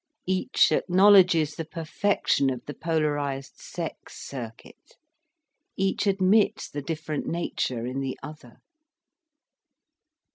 Each acknowledges the perfection of the polarised sex circuit. Each admits the different nature in the other.